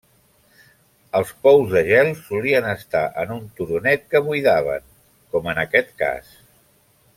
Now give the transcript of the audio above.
Els pous de gel solien estar en un turonet que buidaven, com en aquest cas.